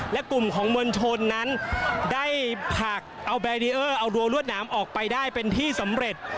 และกลุ่มของมวลชนนั้นได้ผลักเอาแบรีเออร์เอารัวรวดหนามออกไปได้เป็นที่สำเร็จ